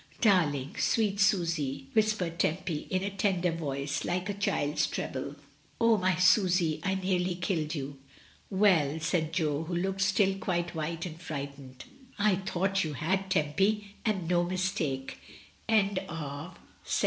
"Darling, sweet Susy," whispered Tempy, in a tender voice, like a child's treble. "Oh, my Susy, I nearly killed you." "Well," said Jo, who looked still quite white and frightened, "I thought you had, Tempy, and no mistake."